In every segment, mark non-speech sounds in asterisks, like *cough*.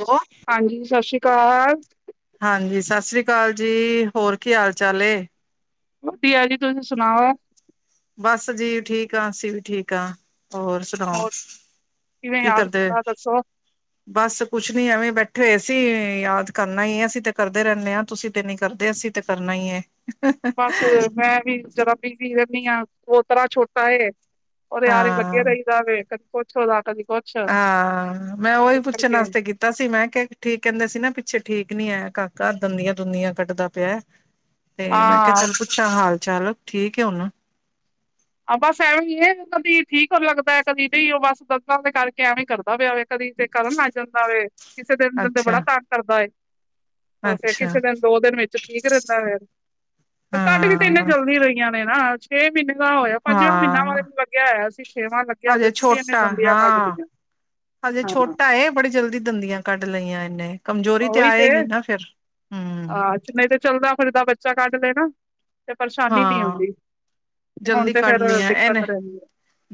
Hello, ਹਾਂਜੀ, ਸਤਿ ਸ੍ਰੀ ਅਕਾਲ। ਹਾਂਜੀ, ਸਤਿ ਸ੍ਰੀ ਅਕਾਲ ਜੀ ਹੋਰ, ਕੀ ਹਾਲ ਚਾਲ ਏ? ਵਧੀਆ, ਜੀ ਤੁਸੀਂ ਸੁਣਾਓ? ਬਸ ਜੀ, ਠੀਕ ਆ ਅਸੀਂ ਵੀ, ਠੀਕ ਆ ਹੋਰ ਸੁਣਾ, ਹੋਰ ਕਿਵੇਂ ਕੀ ਯਾਦ ਕਰਦੇ? ਕੀਤਾ ਦੱਸੋ ਬਸ ਕੁਛ ਨੀ, ਐਵੇਂ ਈ ਬੈਠੇ ਹੋਏ ਸੀ। ਯਾਦ ਕਰਨਾ ਈ ਐ ਅਸੀਂ ਤੇ ਕਰਦੇ ਰਹਿੰਨੇ ਆ, ਤੁਸੀਂ ਤੇ ਨੀ ਕਰਦੇ ਅਸੀਂ ਤੇ ਕਰਨਾ ਈ ਏ। ਬਸ, ਮੈਂ ਵੀ ਜਰਾ ਬੀਜੀ ਰਹਿੰਨੀ ਆ, ਪੋਤਰਾ ਛੋਟਾ ਏ। ਔਰ ਯਾਰ, ਏ ਲੱਗੇ ਹਾਂ। ਰਈਦਾ ਵੇ, ਕਦੀ ਕੁੱਛ ਉਦਾ ਕਦੀ ਕੁ ਆ ਮੈਂ ਉਹੀ ਪੁੱਛਣ ਅਸਤੇ ਕੀ ਤਾ ਸੀ ਮੈਂ ਕਿਹਾ ਠੀਕ ਕਹਿੰਦੇ ਸੀ ਨਾ ਪਿੱਛੇ ਠੀਕ ਨੀ ਐ ਕਾਕਾ ਦੰਦੀਆਂ ਦੁੰਦੀਆਂ ਕੱਢਦਾ ਪਿਆ। ਤੇ ਮੈਂ ਕਿਹਾ ਹਾਂ ਚੱਲ ਪੁੱਛਾ ਹਾਲ ਚਾਲ ਠੀਕ ਏ ਹੁਣ ਆ ਬਸ ਐਵੇਂ ਈ ਇਹ ਕਦੀ ਠੀਕ ਹੋ ਲੱਗਦਾ ਐ ਕਦੀ ਨਈ ਉਹ ਬਸ ਦੰਦਾਂ ਦੇ ਕਰਕੇ ਐਵੇ ਈ ਕਰਦਾ ਪਿਆ ਵੇ। ਕਦੀ ਤੇ ਕਰਨ ਨਾ ਜਾਂਦਾ ਵੇ ਕਿਸੇ ਦਿਨ ਅੱਛਾ, ਬੜਾ ਤੰਗ ਕਰਦਾ ਏ। ਫੇਰ ਕੀ ਅੱਛਾ, ਕਿਸੇ ਦਿਨ ਦੋ ਦਿਨ ਵਿੱਚ ਠੀਕ ਰਹਿੰਦਾ ਵੇ। ਕੱਢ ਕੇ ਤਿੰਨ ਦਿਨ ਹਾਂ, ਚੱਲਦੀ ਰਈ। ਨੇ ਨਾ ਛੇ ਮਹੀਨੇ ਦਾ ਹੋਇਆ ਪੰਜਵਾਂ ਮਹੀਨਾ ਵਾਰ ਹਾਂ। ਇਹਨੂੰ ਲੱਗਿਆ ਹੋਇਆ ਸੀਂ ਛੇਵਾਂ ਲੱ ਹਜੇ ਛੋਟਾ ਹਾਂ ਹਜੇ ਹਾਂ ਛੋਟਾ ਏ ਬੜੀ ਜਲਦੀ ਦੰਦੀਆਂ ਕੱਢ ਲਈਆਂ ਇਨੇ ਕਮਜ਼ੋਰੀ ਤੇ ਆਏਗੀ ਨਾ ਫਿਰ ਹੂੰ। ਹਾਂ ਨਹੀਂ ਤੇ ਚੱਲਦਾ ਫਿਰਦਾ ਬੱਚਾ ਕੱਢ ਲੈ ਨਾ ਤੇ ਪਰੇਸ਼ਾਨੀ ਨੀ ਹਾਂ ਆਂਦੀ। ਤੇ ਹੁਣ ਜਲਦੀ ਤੇ ਕੱਢ ਫੇਰ ਲਈਆਂ ਦਿੱਕਤ ਇਹਨੇ ਰਹੀ ਐ।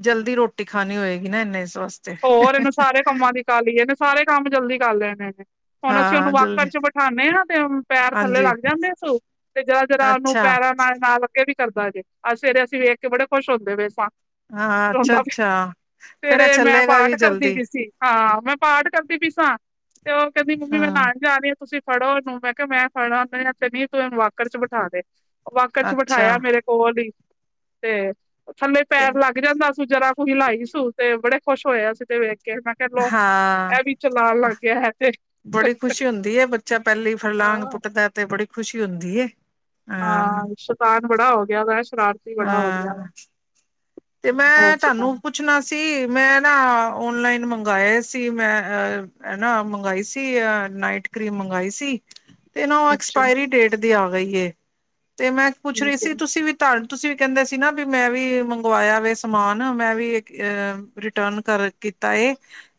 ਜਲਦੀ ਰੋਟੀ ਖਾਣੀ ਹੋਏਗੀ ਨਾ ਇਨੇ ਇਸ ਵਸਤੇ *inaudible* ਇਹ ਕੰਮਾਂ ਦੀ ਕਾਲੀ ਏ ਇਹਨੇੇ ਸਾਰੇ ਕੰਮ ਜਲਦੀ ਕਰ ਲੈਣੇ ਇਹਨੇ ਹੁਣ ਅਸੀਂ ਉਹਨੂੰ ਹਾਂ ਜਲਦੀ ਵਾਕਰ 'ਚ ਬਠਾਂਨੇ ਆ ਤੇ ਪੈਰ ਥੱਲੇ ਹਾਂਜੀ ਲੱਗ ਜਾਂਦੇ ਆ ਸੁ ਤੇ ਜ਼ਰਾ-ਜ਼ਰਾ ਉਹਨੂੰ ਅੱਛਾ ਪੈਰਾਂ ਨਾਲ-ਨਾਲ ਅੱਗੇ ਵੀ ਕਰਦਾ ਜੇ ਆ ਸਵੇਰੇ ਅਸੀਂ ਵੇਖ ਕੇ ਬੜੇ ਖੁਸ਼ ਹੁੰਦੇ ਪਏ ਸਾਂ। ਹਾਂ ਰੋਦਾ ਪਿਆ ਅੱਛਾ-ਅੱਛਾ ਫੇਰ ਇਹ ਸਵੇਰੇ ਮੈਂ ਚੱਲੇਗਾ ਵੀ ਪਾਠ ਕਰਦੀ ਜਲਦੀ ਪੀ ਸੀ। ਹਾਂ ਮੈਂ ਪਾਠ ਕਰਦੀ ਪਈ ਸਾ ਤੇ ਉਹ ਕਹਿੰਦੀ ਮੰਮੀ ਮੈਂ ਹਾਂ ਨਾ ਜਾ ਰਹੀ। ਤੁਸੀਂ ਫੜੋ ਉਹਨੂੰ ਮੈਂ ਕਿਹਾ ਮੈਂ ਫੜਾ ਉਹ ਤੂੰ ਇਹਨੂੰ ਵਾਕਰ 'ਚ ਬਿਠਾ ਦੇ। ਵਾਕਰ 'ਚ ਅੱਛਾ ਬਿਠਾਇਆ ਮੇਰੇ ਕੋਲ ਹੀ ਤੇ ਥੱਲੇ ਪੈਰ ਲੱਗ ਰਹਿੰਦਾ ਸੀ ਜਰਾ ਕੁ ਹਿਲਾਈ ਸੀ ਤੇ ਬੜੇ ਖੁਸ਼ ਹੋਇਆ ਅਸੀ ਤੇ ਵੇਖ ਕੇ ਕੇ ਮੈਂ ਕਹਿਲੋ ਹਾਂ ਇਹ ਵੀ ਚਲਾਉਣ ਲੱਗ ਗਿਆ ਐ ਤੇ ਬੜੀ ਖੁਸ਼ੀ ਹੁੰਦੀ ਏ ਬੱਚਾ ਪਹਿਲੀ ਫਰਲਾਂਗ ਹਾਂ ਪੁੱਟਦਾ ਤੇ ਬੜੀ ਖੁਸ਼ੀ ਹੁੰਦੀ ਏ। ਹਾਂ ਸ਼ੈਤਾਨ ਬੜਾ ਹੋ ਗਿਆ ਵਾ ਸ਼ਰਾਰਤੀ ਬੜਾ ਹੋ ਗਿਆ ਹਾਂ ਵਾ। ਤੇ ਮੈਂ ਹੋਰ ਤੁਹਾਨੂੰ ਪੁ ਸੁਣਾਓ ਪੁੱਛਣਾ ਸੀ ਮੈਂ ਨਾ ਔਨਲਾਈਨ ਮੰਗਵਾਏ ਸੀ ਮੈਂ ਅ ਹਨ ਨਾ ਮੰਗਵਾਈ ਸੀ। ਅ ਨਾਈਟ ਕਰੀਮ ਮੰਗਾਈ ਸੀ। ਤੇ ਨਾ ਉਹ ਅੱਛਾ ਐਕਸਪਾਇਰੀ ਡੇਟ ਦੀ ਆ ਗਈ ਏ ਤੇ ਮੈਂ ਪੁੱਛ ਰਹੀ ਠੀਕ ਹੈ ਸੀ ਤੁਸੀਂ ਵੀ ਧਨ ਤੁਸੀਂ ਵੀ ਕਹਿੰਦੇ ਸੀ ਨਾ ਵੀ ਮੈਂ ਵੀ ਮੰ ਮੰਵਾਇਆ ਵੇ ਸਮਾਨ ਮੈਂ ਵੀ‌ ਇਕ ਅ ਰਿਟਰਨ ਕਰ ਕੀਤਾ ਏ।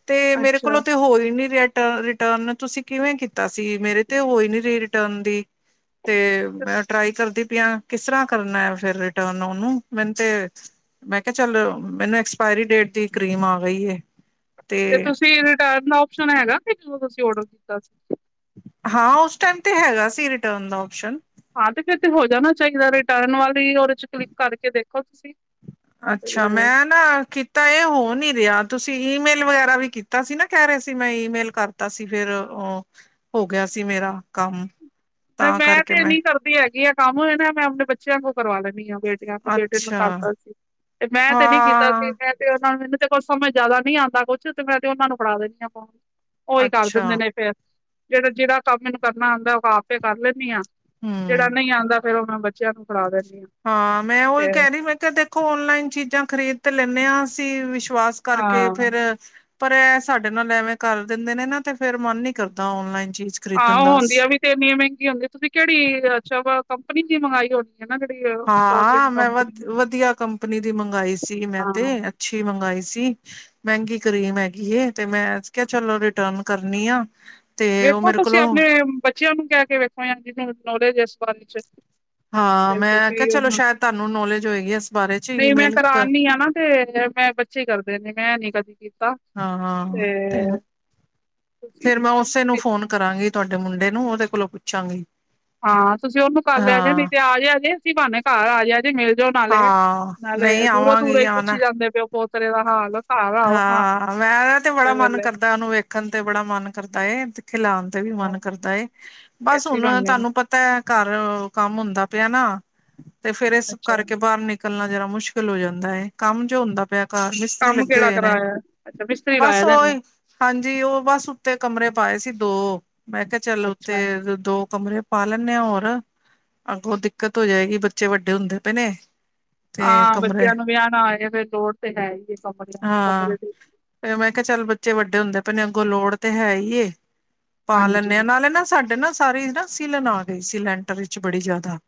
ਤੇ ਮੇਰੇ ਅੱਛਾ ਕੋਲੋਂ ਤੇ ਹੋਈ ਨੀ ਰਿਹਾ। ਰਿਟਰਨ ਤੁਸੀਂ ਕਿਵੇਂ ਕੀਤਾ ਸੀ ਮੇਰੇ ਤੇ ਹੋਈ ਨੀ ਰਹੀ ਰਿਟਰਨ ਦੀ ਤੇ ਮੈਂ ਟਰਾਈ ਕਰਦੀ ਪਿਆ ਕਿਸ ਤਰ੍ਹਾਂ ਕਰਨਾ ਫੇਰ ਰਿਟਰਨ ਉਹਨੂੰ ਮੈਨੂੰ ਤੇ ਮੈਂ ਕਿਹਾ ਚੱਲ ਮੈਨੂੰ ਐਕਸਪਾਇਰੀ ਡੇਟ ਦੀ ਕਰੀਮ ਆ ਗਈ ਏ। ਤੇ ਤੁਸੀਂ ਰਿਟਰਨ ਦਾ ਓਪਸ਼ਨ ਹੈਗਾ ਕਿ ਜਦੋਂ ਤੁਸੀਂ ਔਡਰ ਕੀਤਾ ਸੀ। ਹਾਂ ਉਸ ਟਾਈਮ ਤੇ ਹੈਗਾ ਸੀ ਰਿਟਰਨ ਦਾ ਓਪਸ਼ਨ ਹਾਂ ਤੇ ਫੇਰ ਤੇ ਹੋ ਜਾਣਾ ਚਾਹੀਦਾ ਰਿਟਰਨ ਵਾਲੀ ਉਹਦੇ 'ਚ ਕਲਿੱਕ ਕਰਕੇ ਦੇਖੋ ਤੁਸੀਂ ਤੇ ਅੱਛਾ ਮੈਂ ਨਾ ਕੀ ਤਾਂ ਇਹ ਹੋ ਨੀ ਰਿਹਾ ਤੁਸੀਂ ਈਮੇਲ ਵਗੈਰਾ ਵੀ ਕੀਤਾ ਸੀ ਨਾ ਕਹਿ ਰਹੇ ਸੀ ਮੈਂ ਈਮੇਲ ਕਰ ਤਾ ਸੀ ਫਿਰ ਉਹ ਹੋ ਗਿਆ ਸੀ ਮੇਰਾ ਕੰਮ ਤਾਂ ਮੈਂ ਕਰਕੇ ਤੇਨੀ ਕਰਦੀ ਹੈਗੀ ਆ ਕੰਮ ਨਾ ਮੈਂ ਆਪਣੇ ਬੱਚਿਆਂ ਕੋਲ ਕਰਵਾ ਲੈਂਣੀ ਆਂ। ਬੇਟੇ ਨੂੰ ਅੱਛਾ ਕਰਦਾ ਸੀ ਤੇ ਮੈਂ ਤੇ ਨੀ ਕੀਤਾ ਸੀ ਹਾਂ ਮੈਂ ਤੇ ਉਹਨਾਂ ਨੂੰ ਮੈਨੂੰ ਤੇ ਕੁਛ ਸਮਝ ਜਿਆਦਾ ਨੀ ਆਂਦਾ ਕੁਛ ਤੇ ਮੈਂ ਤੇ ਉਹਨਾ ਨੂੰ ਫੜਾ ਦਿੰਦੀ ਆਂ ਪਾ ਉਹੀ ਕਰ ਅੱਛਾ ਦਿੰਦੇ ਨੇ। ਜਿਹੜਾ -ਜਿਹੜਾ ਕੰਮ ਮੈਨੂੰ ਕਰਨਾ ਹੁੰਦਾ ਉਹ ਆਪੇ ਕਰ ਲੈਂਣੀ ਆ। ਹਾਂ। ਜਿਹੜਾ ਨਹੀਂ ਆਉਂਦਾ ਫੇਰ ਉਹ ਮੈਂ ਬੱਚਿਆਂ ਨੂੰ ਫੜਾ ਦਿੰਦੀ ਆਂ। ਹਾਂ ਮੈਂ ਉਹੀ ਕਹਿ ਰਹੀ ਮੈਂ ਕਿਹਾ ਦੇਖੋ ਔਨਲਾਈਨ ਚੀਜ਼ਾਂ ਖਰੀਦ ਤੇ ਲੈਂਨੇ ਅਸੀ ਵਿਸ਼ਵਾਸ ਕਰਕੇ ਹਾਂ ਫਿਰ ਪਰ ਇਹ ਸਾਡੇ ਨਾਲ ਐਵੇਂ ਕਰ ਦਿੰਦੇ ਨੇ ਨਾ ਤੇ ਫੇਰ ਮਨ ਨੀ ਕਰਦਾ ਔਨਲਾਈਨ ਚੀਜ਼ ਖਰੀਦਣ ਆਹੋ ਦਾ ਹੁੰਦੀ ਆ ਵੀ ਤੇ ਇੰਨੀਆਂ ਮਹਿੰਗੀਆ ਹੁੰਦੀ ਤੁਸੀਂ ਕਿਹੜੀ ਅੱਛਾ ਵਾ ਕੰਪਨੀ ਦੀ ਮ ਮੰਗਾਈ ਹੋਣੀ ਹੈ ਨਾ ਜਿਹੜੀ ਹਾਂ ਕੋਰੀਅਨ ਮੈਂ ਵਧ ਕੰਪਨੀ ਵਧੀਆ ਕੰਪਨੀ ਦੀ ਮੰਗਾਈ ਸੀ ਮੈਂ ਹਾਂ ਤੇ ਅੱਛੀ ਮੰਗਵਾਾਈ ਸੀ ਮਹਿੰਗੀ ਕਰੀਮ ਹੈਗੀ ਇਹ ਤੇ ਮੈਂ ਕਿਹਾ ਚਲੋ ਰਿਟਰਨ ਕਰਨੀ ਆ। ਤੇ ਉਹ ਵੇਖੋ ਮੇਰੇ ਤੁਸੀਂ ਕੋਲੋਂ ਆਪਣੇ ਬੱਚਿਆਂ ਨੂੰ ਕਹਿ ਕੇ ਵੇਖੋ ਯ ਜ ਨੌਲੇਜ ਹੈ ਇਸ ਬਾਰੇ ਚ ਹਾਂ ਤੇ ਮੈਂ ਕਿਹਾਿਆ ਤੁਸੀਂ ਚਲੋ ਉਹਨੂੰ ਸ਼ਾਇਦ ਤੁਹਾਨੂੰ ਨੌਲੇਜ ਹੋਏਗੀ ਇਸ ਬਾਰੇ ਚ ਨਹੀਂ ਮੈਂ ਈਮੇਲ, ਕਰਾਨੀ ਆ ਨਾ ਤੇ ਮੈਂ ਬੱਚੇ ਕਰਦੇਦੀ ਮੈਂ ਨੀ ਕਦੀ ਕੀਤਾ। ਹਾਂ-ਹਾਂ ਤੇ, ਫੇਰ ਤੁਸੀਂ ਮੈਂ ਉਸੇ ਨੂੰ ਫੋਨ ਕਰਾਂਗੀ ਤੁਹਾਡੇ ਮੁੰਡੇ ਨੂੰ ਉਹਦੇ ਕੋਲੋਂ ਪੁੱਛਾਂਗੀ। ਹਾਂ ਤੁਸੀਂ ਉਹਨੂੰ ਕਰ ਲਜ ਨਹੀਂ ਹਾਂ ਤੇ ਆਜ ਜੇ ਅਸੀਂ ਬਾਨੇ ਘਰ ਆ ਜਾ ਜੇ ਮਿਲ, ਨਾਲੇ ਹਾਂ ਨਾਲੇ ਨਹੀਂ ਦੂਰੋਂ ਦੂਰੋਂ ਆਵਾਂਗੀ ਹੀ ਆਣਾ ਪੁੱਛ ਹੀ ਜਾਂਦੇ ਪਓ। ਪੋਤਰੇ ਦਾ ਹਾਲ ਘਾਰ ਆ ਉਹ ਹਾਲ ਕਿਸੇ ਵੇਲੇ, ਨੂੰ ਵੇਖਣ ਤੇ ਬੜਾ ਮਨ ਕਰਦਾ ਏ ਤੇ ਖਿਲਾਣ ਵੀ ਮਨ ਕਰਦਾ ਏ ਬਸ ਐਸੀ ਹੁਣ ਬਹਾਨੇ ਤੁਹਾਨੂੰ ਪਤਾ। ਤਾਂ ਘਰ ਕੰਮ ਹੁੰਦਾ ਪਿਆ ਨਾ ਤੇ ਫੇਿਰ ਇਸ ਅੱਛਾ ਕਰਕੇ ਬਾਹਰ ਨਿਕਲ, ਨਿਕਲਣਾ ਜ ਜ਼ਰਾ ਮੁਸ਼ਕਿਲ ਹੋ ਜਾਂਦਾ ਹੈ ਕੰਮ ਚ ਹੁੰਦਾ ਪਿਆ। ਘ ਮਿਸਤਰੀ ਕੰਮ ਲੱਗੇ ਕਿਹੜਾ ਹੋਏ ਨੇ, ਕਰਾਇਆ ਅੱਛਾ ਮਿਸਤਰੀ ਬਸ ਲਾਇਆ ਦਾ ਇਹਨੇ ਓਹੀ, ਹਾਂਜੀ ਉਹ ਬਸ ਉੱਤੇ ਕਮਰੇ ਪਾਏ ਸੀ ਦੋ, ਮੈਂ ਕਿਹਾ ਚੱਲ ਅੱਛਾ ਉੱਤੇ ਦੋ ਕਮਰੇ ਪਾ ਲੈਂਨੇ ਹਾ ਹੋਰ, ਅੱਗੋਂ ਦਿੱਕਤ ਹੋ ਜਾਏਗੀ ਬੱਚੇ ਵੱਡੇ ਹੁੰਦੇ ਪਏ ਨੇ। ਤੇ ਹਾਂ ਕਮਰੇ ਬੱਚਿਆਂ ਨੂੰ ਵਿਆਣਾ ਆ ਤੇ ਲੋੜ ਤੇ ਹੈ ਹੀ ਏ। ਹਾਂ, ਮੈਂ ਕਿਹਾ ਚੱਲ ਬੱਚੇ ਵੱਡੇ ਹੁੰਦੇ ਪਏ ਨੇ, ਅੱਗੋਂ ਲੋੜ ਤੇ ਹੈ ਹੀ ਏ। ਪਾ ਲੈਂਨੇ ਆ। ਹਾਂਜੀ ਨਾਲੇ ਨਾ ਸਾਡੇ ਨਾ ਸਾਰੀ ਨਾ ਸੀਲਨ ਆ ਗਈ ਸੀ ਲੈਂਟਰ ਵਿੱਚ ਬੜੀ ਜ਼ਿਆਦਾ।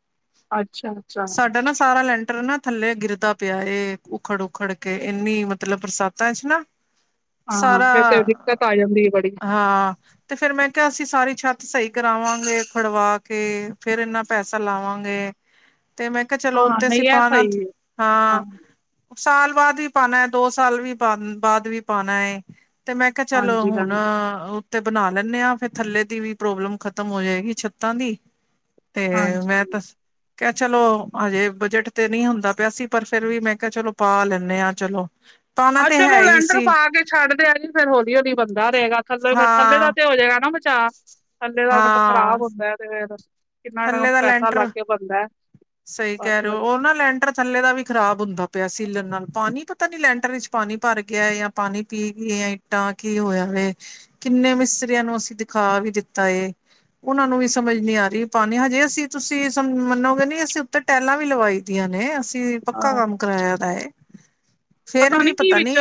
ਅੱਛਾ ਅੱਛਾ। ਸਾਡਾ ਨਾ ਸਾਰਾ ਲੈਂਟਰ ਨਾ ਥੱਲੇ ਗਿਰਦਾ ਪਿਆ ਏ ਉੱਖੜ ਉਖੜ ਕੇ ਤੇ ਇੰਨੀ ਮਤਲਬ ਬਰਸਾਤਾਂ ਚ ਨਾ ਹਾਂ ਸਾਰਾ ਫਿਰ ਤੇ ਦਿੱਕਤ ਆ ਜਾਂਦੀ ਹੈ ਬੜੀ ਹਾਂ ਤੇ ਫੇਿਰ ਮੈਂ ਕਿਹਾ ਅਸੀਂ ਸਾਰੀ ਛੱਤ ਸਹੀ ਕਰਾਵਾਂਗੇ, ਖੜਵਾ ਕੇ ਫੇਰ ਇਨਾ ਪੈਸਾ ਲਾਵਾਂਗੇ। ਤੇ ਮੈਂ ਕਿਹਾ ਚਲੋ ਹਾਂ ਉੱਤੇ ਅਸੀਂ ਨਹੀਂ ਇਹ ਪਾਣਾ ਸਹੀ ਹੈ ਹਾਂ। ਸਾਲ ਬਾਅਦ ਵੀ ਪਾਉਣਾ ਹੈ ਦੋ ਸਾਲ ਵੀ ਬਾਅਦ ਵੀ ਪਾਉਣਾ ਹੈ। ਤੇ ਮੈਂ ਕਿਹਾ ਚਲੋ ਹਾਂਜੀ ਹੁਣ, ਹਾਂਜੀ ਤੇ ਬਣਾ ਲੈਂਨੇ ਆ ਫੇਰ ਥੱਲੇ ਦੀ ਵੀ ਪ੍ਰੋਬਲਮ ਖ਼ਤਮ ਹੋ ਜਾਏਗੀ ਛੱਤਾਂ ਦੀ। ਤੇ ਹਾਂਜੀ ਮੈਂ ਤਾਂ ਕ ਚਲੋ ਹਜੇ ਬਜਟ ਤੇ ਨਹੀਂ ਹੁੰਦਾ ਪਿਆ ਸੀ ਪਰ ਫਿਰ ਵੀ ਮੈਂ ਕਿਹਾ ਚਲੋ ਪਾ ਲੈਣਾ। ਦੇ ਆ ਚਲੋ, ਪਾਣਾ ਆਹ ਤੇ ਚਲੋ ਹੈ ਹੀ ਲੈਂਡਰ ਸੀ ਪਾ ਕੇ ਛੱਡ ਦ ਆ ਜੀ ਫੇਰ ਹੌਲੀ ਹੌਲੀ ਬੰਦਾ ਰਹੇਗਾ ਥੱਲੇ ਫੇਰ ਥੱਲੇ ਦਾ ਹਾਂ ਤੇ ਹੋ ਜਾਏਗਾ ਨਾ। ਚ ਥੱਲੇ ਦਾ ਮਤਲ ਹਾਂ ਖਰਾਬ ਹੁੰਦਾ ਤੇ, ਕਿੰਨਾ ਥੱਲੇ ਦਾ ਪੈਸਾ ਲੱਗ ਲੈਂਟਰ ਕੇ ਬਣਦਾ ਹੈ ਸਹੀ ਕਹਿ ਵਾਰੀ ਰਹੇ ਹੋ ਵਾਰੀ ਉਹ ਨਾ ਲੈਂਟਰ, ਥੱਲੇ ਦਾ ਵੀ ਖ਼ਰਾਬ ਹੁੰਦਾ ਪਿਆ ਸੀਲਨ ਨਾਲ, ਪਾਣੀ ਪਤਾ ਨੀ ਲੈਂਟਰ ਵਿੱਚ ਪਾਣੀ ਭਰ ਗਿਆ ਜਾਂ ਪਾਣੀ ਪੀ ਗਿਆ ਏ। ਨਾ ਕੀ ਹੋਇਆ ਵੇ। ਕਿੰਨੇ ਮਿਸਤਰੀਆਂ ਨੂੰ ਅਸੀਂ ਦਿਖਾ ਵੀ ਦਿੱਤਾ ਏ। ਉਹਨਾ ਨੂੰ ਵੀ ਸਮਝ ਨੀ ਆ ਰਹੀ ਪਾਣੀ ਹਜੇ ਅਸੀਂ ਤੁਸੀਂ ਮੰਨੋਗੇ ਨੀ ਅਸੀ ਉੱਤੇ ਟੈਲਾਂ ਵੀ ਲਵਾਈ ਦੀਆਂ ਨੇ ਅਸੀਂ ਪੱਕਾ ਹਾਂ ਕੰਮ ਕਰਾਇਆ ਦਾ ਏ, ਫੇਰ ਵੀ ਪਤਾ ਨੀ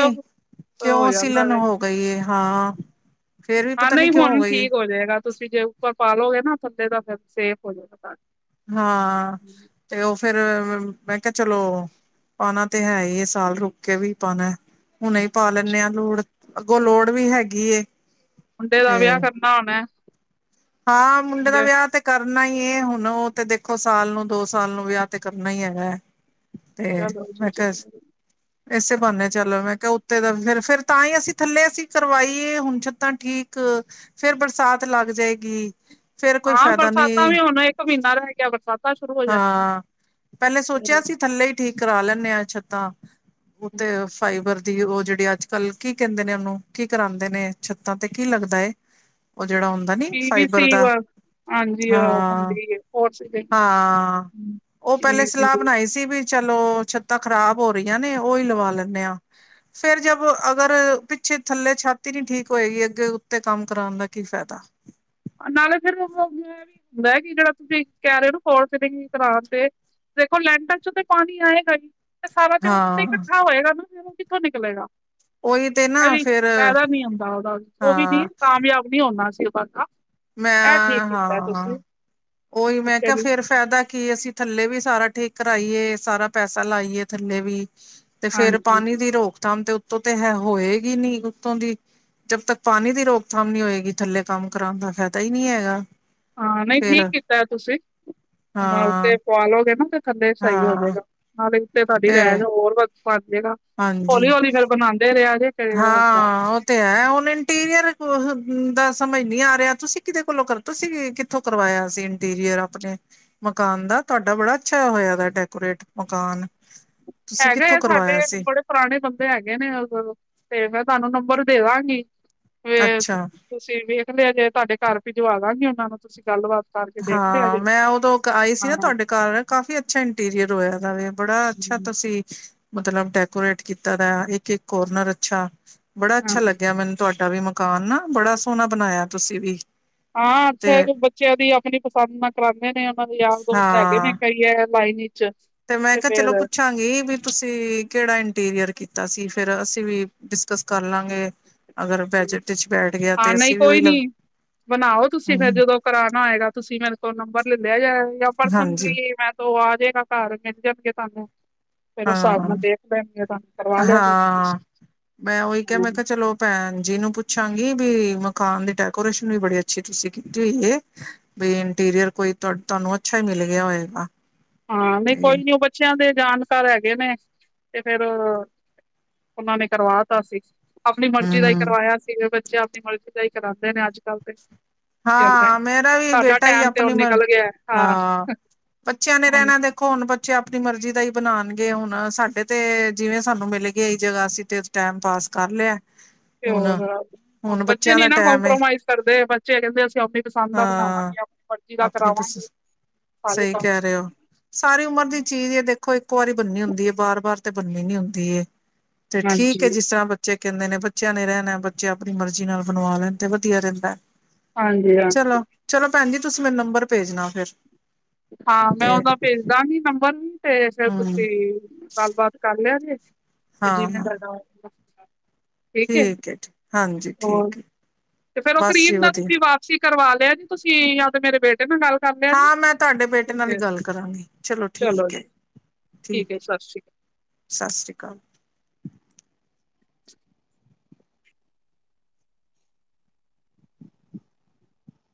ਹੋ ਕਿਉਂ ਜਾਂਦਾ ਵੇ। ਸੀਲਨ ਹੋ ਕਹੀਏ ਹਾਂ ਫੇਰ ਵੀ ਹਾਂ ਪਤਾ ਨੀ ਨਹੀਂ ਕਿਉਂ ਹੁਣ ਗਈ ਏ ਠੀਕ ਹੋ ਜਾਏਗਾ ਤੁਸੀਂ ਜੇ ਉੱਪਰ ਪਾ ਲਓਗੇ ਨਾ ਥੱਲੇ ਦਾ ਫੇਰ ਸੇਫ ਹੋ ਜਾਏਗਾ ਤੁਹਾਡਾ। ਹਾਂ। ਤੇ ਉਹ ਫੇਿਰ ਮੈਂ ਕਿਹਾ ਚਲੋ ਪਾਨਾ ਤੇ ਹੈ ਹੀ ਹੈ ਸਾਲ ਰੁਕ ਕੇ ਵੀ ਪਾਨਾ ਏਂ। ਹੁਣ ਹੀ ਪਾ ਲੈਂਦੇ ਹਾਂ ਲੋੜ ਅੱਗੋਂ ਲੋੜ ਵੀ ਹੈਗੀ ਏ। ਮੁੰਡੇ ਦਾ ਤੇ ਵਿਆਹ ਕਰਨਾ ਹੋਨਾ। ਹਾਂ ਮੁੰਡੇ ਦਾ ਵਿਆਹ ਤੇ ਕਰਨਾ ਹੀ ਏ। ਹੁਣ ਉਹ ਤੇ ਦੇਖੋ ਸਾਲ ਨੂੰ ਦੋ ਸਾਲ ਨੂੰ ਵਿਆਹ ਤੇ ਕਰਨਾ ਹੀ ਹੈਗਾ। ਤੇ ਚਲੋ ਜੀ ਮੈਂ ਕਿਹਾ ਚਲੋ ਏਸੇ ਬਾਨੇ ਚੱਲੋ ਮੈਂ ਕਿਹਾ ਉੱਤੇ ਦਾ ਫਿਰ ਫੇਰ ਤਾਂ ਹੀ ਅਸੀਂ ਥੱਲੇ ਅਸੀਂ ਕਰਵਾਈਏ ਹੁਣ ਛੱਤਾਂ ਠੀਕ ਫੇਰ ਬਰਸਾਤ ਲੱਗ ਜਾਏਗੀ। ਫੇਰ ਕੋਈ ਹਾਂ ਫਾਇਦਾ ਬਰਸਾਤਾਂ ਨੀ ਵੀ ਹੁਣ ਇੱਕ ਮਹੀਨਾ ਰਹ ਗਿਆ ਬਰਸਾਤ ਹਾਂ ਪਹਿਲੇ ਸੋਚਿਆ ਸੀ ਨੇ ਥੱਲੇ ਈ ਠੀਕ ਕਰਾ ਲੈਂਨੇ ਆ ਛੱਤਾਂ ਉਤੇ ਫਾਈਬਰ ਦੀ ਉਹ ਜਿਹੜੀ ਅੱਜ ਕੱਲ੍ਹ ਕੀ ਕਹਿੰਦੇ ਨੇ ਉਹਨੂੰ, ਕੀ ਕਰਾਉਂਦੇ ਨੇ, ਛੱਤਾਂ ਤੇ ਕੀ ਲੱਗਦਾ ਏ। ਉਹ ਜਿਹੜਾ ਹੁੰਦਾ ਨੀ ਪੀ ਵੀ ਸੀ ਫਾਈਬਰ ਵ ਦਾ ਹਾਂਜੀ ਉਹ ਹਾਂ, ਹੁੰਦੀ ਹੈ ਕੋਰਸ ਪੀ ਹਾਂ। ਹਾਂ, ਉਹ ਪਹਿਲੇ ਵੀ ਸੀ ਸਲਾਹ ਬਣਾਈ ਸੀ ਵੀ ਚਲੋ ਛੱਤਾਂ ਖਰਾਬ ਹੋ ਰਹੀਆਂ ਨੇ ਉਹੀ ਲਵਾ ਲੈਂਨੇ ਆ ਫੇਰ ਜਬ ਅਗਰ ਪਿੱਛੇ ਥੱਲੇ ਛੱਤ ਨੀ ਠੀਕ ਹੋਏਗੀ ਅੱਗੇ ਉੱਤੇ ਕੰਮ ਕਰਾਉਣ ਦਾ ਕੀ ਫਾਇਦਾ। ਨਾਲੇ ਫਿਰ ਉਹਨ ਵੀ ਹੁੰਦਾ ਕਿ ਜਿਹੜਾ ਤੁਸੀਂ ਕਹਿ ਰਹੇ ਹੋ ਨਾ ਫੋਰਸੀਲਿਂਗ ਕਰਾਣ ਤੇ ਦੇਖੋ ਲੈਂਟਰ ਚੋ ਤੇ ਪਾਣੀ ਆਏਗਾ ਹੀ। ਤੇ ਸਾਰਾ ਤੇ ਉਹ ਉੱਤੇ ਹਾਂ ਇਕੱਠਾ ਹੋਏਗਾ ਤੇ ਫੇਰ ਕਿੱਥੋਂ ਨਿਕਲੇਗਾ। ਉਹੀ ਤੇ ਨਾ ਵੀ ਫੇਰ ਫਾਇਦਾ ਨੀ ਹੁੰਦਾ ਦਾ ਉਹਦਾ ਉਹ ਵੀ ਨ ਹਾਂ ਕਾਮਯਾਬ ਨੀ ਹੋਣਾ ਸੀ ਉਹਦਾ ਮੈਂ ਹਾਂ, ਹਾਂ ਉਹੀ ਮੈਂ ਉੱਤੇ ਕਿਹਾ ਵੀ ਫੇਰ ਫਾਇਦਾ ਕੀ ਅਸੀਂ ਥੱਲੇ ਵੀ ਸਾਰਾ ਠੀਕ ਕਰਾਈਏ ਸਾਰਾ ਪੈਸਾ ਲਾਈਏ ਥੱਲੇ ਵੀ ਤੇ ਫੇਰ ਹਾਂਜੀ ਪਾਣੀ ਦੀ ਰੋਕਥਾਮ ਤੇ ਉੱਤੋਂ ਹੋਏਗੀ ਨੀ ਉੱਤੋਂ ਦੀ। ਜਬ ਤੱਕ ਪਾਣੀ ਦੀ ਰੋਕਥਾਮ ਨੀ ਹੋਏਗੀ ਥੱਲੇ ਕੰਮ ਕਰਾਉਣ ਦਾ ਫ਼ਾਇਦਾ ਹੀ ਨੀ ਹੈਗਾ। ਹਾਂ ਨਹੀਂ ਠੀਕ ਫੇਰ ਕੀਤਾ ਤੁਸੀ ਹਾਂ ਉੇਤੇ ਪਵਾ ਲੋਗੇ ਨਾ ਤੇ ਥੱਲੇ ਸਹੀ ਹੋ ਹਾਂ ਜਾਵੇਗਾ। ਨਾਲੇ ਦੇ ਉੱਤੇ ਤੁਹਾਡੀ ਤੇ ਰਿਹਾਇਸ਼ ਹੋਰ ਬਨ ਜੇਗਾ ਹਾਂਜੀ ਹੌਲੀ-ਹੌਲੀ ਫੇਰ ਬਨਾਉਂਦੇ ਰਿਹਾ ਜੇ। ਕਿ ਹੁੰਦਾ ਹਾਂ ਉਹ ਤੇ ਹੈ ਹੁਣ ਇੰਟੀਰੀਅਰ ਦਾ ਸਮਝ ਨੀ ਆ ਰਿਹਾ ਤੁਸੀਂ ਕਿਦੇ ਕੋਲੋਂ ਕਰਵਾ ਤੁਸੀ ਕਿ ਕਿੱਥੋਂ ਕਰਵਾਇਆ ਸੀ ਇੰਟੀਰੀਅਰ ਆਪਣੇ ਮਕਾਨ ਦਾ ਤੁਹਾਡਾ ਬੜਾ ਅੱਛਾ ਹੋਇਆ ਡੈਕੋਰੇਟ ਮਕਾਨ। ਤੁਸੀਂ ਹੈਗੇ ਕਿੱਥੋਂ ਆ ਸਾਡੇ ਕਰਵਾਇਆ ਇਕ ਸੀ ਬੜੇ ਪੁਰਾਣੇ ਬੰਦੇ ਹੈਗੇ ਨੇ ਤੇ ਮੈਂ ਤੁਹਾਨੂੰ ਨੰਬਰ ਦੇਦਾਂਗੀ ਫੇਰ ਅੱਛਾ ਤੁਸੀਂ ਵੇਖ ਲਿਆ ਜੇ ਤੁਹਾਡੇ ਘਰ ਭਿਜਵਾ ਦਾਂਗੀ ਉਹਨਾ ਨੂੰ ਤੁਸੀਂ ਗੱਲਬਾਤ ਕਰਕੇ ਦੇਖ ਲਿਆ ਹਾਂ ਜੇ ਮੈਂ ਉਦੋਂ ਆਈ ਸੀ ਹਾਂ ਨਾ ਤੁਹਾਡੇ ਘਰ ਕਾਫੀ ਅੱਛਾ ਇੰਟੀਰੀਅਰ ਹੋਇਆ ਦਾ ਵੇ। ਬੜਾ ਅੱਛਾ ਹਮ, ਤੁਸੀਂ ਮਤਲਬ ਡੈਕੋਰੇਟ ਕੀਤਾ ਦਾ ਏ ਇੱਕ-ਇੱਕ ਕੋਰਨਰ ਅੱਛਾ। ਬੜਾ ਅੱਛਾ ਹਾਂ ਲੱਗਿਆ ਮੈਨੂੰ ਤੁਹਾਡਾ ਵੀ ਮਕਾਨ ਨਾ, ਬੜਾ ਸੋਹਣਾ ਬਣਾਇਆ ਤੁਸੀਂ ਵੀ। ਹਾਂ ਤੇ ਅੱਛਾ ਬੱਚਿਆਂ ਦੀ ਆਪਣੀ ਪਸੰਦ ਨਾ ਕਰਾਉਂਦੇ ਨੇ। ਮਤਬ ਯਾਰ ਦੋਸਤ ਹੈਗੇ ਨੇ ਹਾਂ ਕਈ ਲਾਈਨ ਇਚ। ਤੇ ਮੈਂ ਕਿਹਾ ਚਲੋ ਪੁੱਛ ਪੁਛਾਂਗੀ ਵੀ ਤੁਸੀਂ ਕਿਹੜਾ ਇੰਟੀਰੀਅਰ ਕੀਤਾ ਸੀ ਫੇਰ ਅਸੀਂ ਵੀ ਡਿਸਕਸ ਕਰ ਲਾਂਗੇ। ਅਗਰ ਬੈਜਟ ਵਿੱਚ ਬੈਠ ਗਿਆ ਹਾਂ ਤੇ ਨਹੀਂ ਅਸੀ ਵੀ ਉਹੀ ਕੋਈ ਲਗ ਹਮ ਕਰਾਣਾ ਹੋਏਗਾ ਤੁਸੀਂ ਮੇਰੇ ਕੋਲ ਨੰਬਰ ਲੈ ਲਿਆ ਜੇ ਜਾਂ ਹਾਂਜੀ ਪਰਸਨਲੀ ਮੈ ਤ ਉਹ ਆ ਜਏਗਾ ਘਰ ਮਿਲ ਜਾਣਗੇ ਤਾਂਨੂੰ। ਫੇਰ ਉਸ ਹਿਸਾਬ ਹਾਂ ਨਾਲ ਦੇਖ ਲੈਣ ਤਾਂ ਕਰਵਾ ਲਿਆ ਜੇ ਹਾਂ ਤੁਸੀਂ। ਮੈਂ ਉਹੀ ਕਿਹਾ ਮੈਂ ਕਿਹਾ ਚਲੋ ਭੈਣ ਜੀ ਨੂੰ ਪੁੱਛਾਂਗੀ ਵੀ ਮਕਾਨ ਦੀ ਡੈਕੋਰੇਸ਼ਨ ਵੀ ਬੜੀ ਅੱਛੀ ਤੁਸੀਂ ਕੀਤੀ ਹੋਈ ਏ। ਬ ਇੰਟੀਰੀਅਰ ਕੋਈ ਤੁਹਾਨੂੰ ਅੱਛਾ ਹੀ ਮਿਲ ਗਿਆ ਹੋਏਗਾ। ਹਾਂ ਨੀ ਤੇ ਕੋਈ ਨੀ ਉਹ ਬ ਚਿਆਂ ਦੇ ਜਾਣਕਾਰ ਹੈਗੇ ਨੇ ਤੇ ਫੇਰ ਆ ਉਹਨਾਂ ਨੇ ਕਰਵਾਤਾਾ ਸੀ। ਆਪਣੀ ਮਰਜੀ ਦਾ ਹੀ ਹੂੰ ਕਰਾਇਆ ਸੀ ਬੱਚੇ ਆਪਣੀ ਮਰਜ਼ੀ ਦਾ ਹੀ ਕਰਾਉਂਦੇ ਨੇ ਅੱਜ ਕੱਲ ਤੇ। ਹਾਂ ਮੇਰਾ ਵੀ ਸਾਡਾ ਬੇਟਾ ਹੀ ਟਾਈਮ ਤੇ ਆਪਣੀ ਹੁਣ ਮ, ਨਿਕਲ ਗਿਆ ਹਾਂ ਬੱਚਿਆਂ ਨੇ ਹੁਣ ਰਹਿਣਾ ਦੇ ਦੇਖੋ ਬੱਚੇ ਆਪਣੀ ਮਰਜ਼ੀ ਦਾ ਹੀ ਬਣਾਉਣਗੇ ਹੁਣ ਸਾਡੇ ਤੇ ਜਿਵੇਂ ਸਾਨੂੰ ਮਿਲੇਗੀ ਇਹਹੀ ਜਗ੍ਹਾ ਅਸੀਂ ਤੇ ਟੈਮ ਪਾਸ ਕਰ ਲਿਆ। ਤੇ ਹੁਣ ਹੁਣ ਬੱਚੇ ਬੱਚਿਆਂ ਨੀ ਦਾ ਨਾ ਟਾਈਮ ਏ ਕੰਪਰੋਮਾਈਜ਼ ਕਰਦੇ ਬੱਚੇ ਕਹਿੰਦੇ ਅਸੀਂ ਆਪ ਪਸੰਦ ਦਾ ਹਾਂ ਬਣਾਵਾਂਗੇ ਆਪਣੀ ਮਰਜ਼ੀ ਦਾ ਆਪਣੀ ਪਸ ਕਰਾਵਾਂਗੇ ਸਾਰੇ ਸਹੀ ਕੰਮ। ਕਹਿ ਰਹੇ ਹੋ। ਸਾਰੀ ਉਮਰ ਦੀ ਚੀਜ਼, ਦੇਖੋ ਇੱਕ ਵਾਰੀ ਬੰਨੀ ਹੁੰਦੀ ਹੈ, ਬਾਰ ਵਾਰ ਤੇ ਬੰਨੀ ਨੀ ਹੁੰਦੀ ਤੇ ਠੀਕ ਹਾਂਜੀ ਹੈ ਜਿਸ ਤਰ੍ਹਾਂ ਬੱਚੇ ਕਹਿੰਦੇ ਨੇ, ਬੱਚਿਆਂ ਨੇ ਰਹਿਣਾ, ਬੱਚੇ ਆਪਣੀ ਮਰਜ਼ੀ ਨਾਲ ਬਣਵਾ ਲੈਣ ਤੇ ਵਧੀਆ ਰਹਿੰਦਾ ਹਾਂਜੀ ਹਾਂ ਚਲੋ, ਚਲੋ ਭੈਣ ਜੀ ਤੁਸੀਂ ਮੈਨੂੰ ਨੰਬਰ ਭੇਜਣਾ ਫਿਰ ਹਾਂ ਮੈਂ ਤੇ ਉਹਦਾ ਭੇਜ ਦਾਂਗੀ ਨੰਬਰ, ਤੇ ਫਿਰ ਹਮ ਤੁਸੀਂ ਗੱਲਬਾਤ ਕਰ ਲਿਆਗੇ ਜੇ, ਤੇ ਹਾਂ ਜਿਵੇਂ ਹਾਂ ਗ ਠੀਕ ਹੈ, ਠੀਕ ਜੀ ਹਾਂਜੀ ਹੋਰ, ਠੀਕ ਹੈ ਤੇ ਫੇਰ ਉਹ ਬਸ ਜੀ ਕਰੀਮ ਦਾ ਵਧੀਆ। ਤੁਸੀਂ ਵਾ ਤੁਸੀਂ ਕਰਵਾ ਲਿਆ ਜੇ, ਤੁਸੀਂ ਯਾ ਤੇ ਮੇਰੇ ਬੇਟੇ ਨਾਲ ਗੱਲ ਕਰ ਲਿਆ ਜੀ ਹਾਂ ਮੈਂ ਤੁਹਾਡੇ ਬੇਟੇ ਨਾਲ ਹੀ ਤੇ ਗੱਲ ਕਰਾਂਗੀ, ਚਲੋ ਠੀਕ ਹੈ ਠੀਕ ਹੈ ਸਤਿ ਸ਼੍ਰੀ ਅਕਾਲ ਸਤਿ ਸ਼੍ਰੀ ਅਕਾਲ